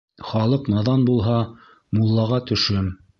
Халыҡ наҙан булһа, муллаға төшөм.